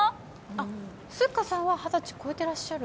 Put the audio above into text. あっスッカさんは二十歳超えてらっしゃる？